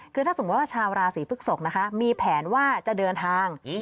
คือถ้าสมมุติว่าชาวราศีพฤกษกนะคะมีแผนว่าจะเดินทาง